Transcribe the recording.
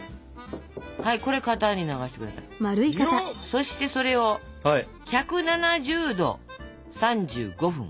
そしてそれを１７０℃３５分。